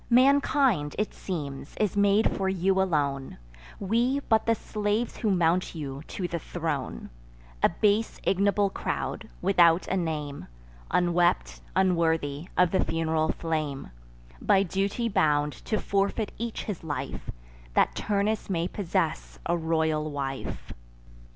Mankind, it seems, is made for you alone; We, but the slaves who mount you to the throne: A base ignoble crowd, without a name, Unwept, unworthy, of the fun'ral flame, By duty bound to forfeit each his life, That Turnus may possess a royal wife.